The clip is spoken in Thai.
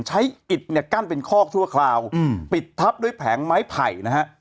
อิดเนี่ยกั้นเป็นคอกชั่วคราวปิดทับด้วยแผงไม้ไผ่นะฮะ